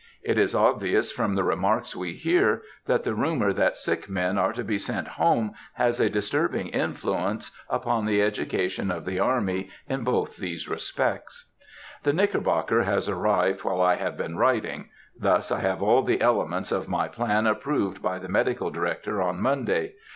It is obvious from the remarks we hear, that the rumor that sick men are to be sent home has a disturbing influence upon the education of the army in both these respects.... The Knickerbocker has arrived while I have been writing; thus I have all the elements of my plan approved by the Medical Director on Monday.